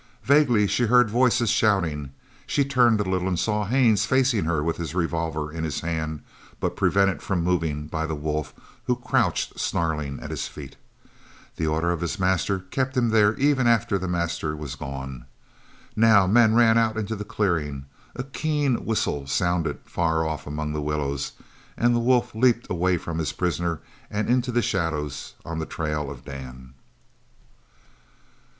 Vaguely she heard voices shouting she turned a little and saw Haines facing her with his revolver in his hand, but prevented from moving by the wolf who crouched snarling at his feet. The order of his master kept him there even after that master was gone. Now men ran out into the clearing. A keen whistle sounded far off among the willows, and the wolf leaped away from his prisoner and into the shadows on the trail of Dan.